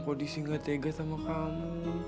kok disinggah tegas sama kamu